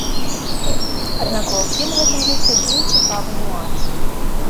Аднак ва ўсім гэтым ёсць адзін цікавы нюанс.